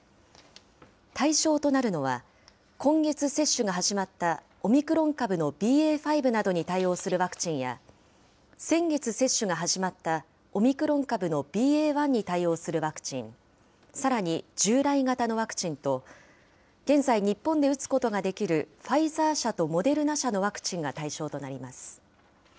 対象となるのは、今月接種が始まったオミクロン株のＢＡ．５などに対応するワクチンや、先月接種が始まったオミクロン株のＢＡ．１に対応するワクチン、さらに従来型のワクチンと、現在、日本で打つことができるファイザー社とモデルナ社のワクチンが対象となります。